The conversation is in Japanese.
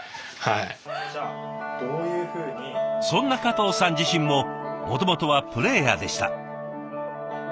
そんな加藤さん自身ももともとはプレーヤーでした。